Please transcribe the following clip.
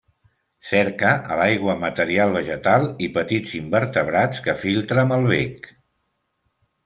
Cerca a l'aigua material vegetal i petits invertebrats que filtra amb el bec.